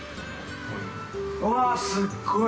うわっ、すっごい！